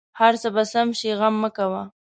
هر څه به سم شې غم مه کوه